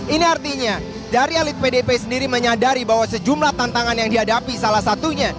ini artinya dari elit pdip sendiri menyadari bahwa sejumlah tantangan yang dihadapi salah satunya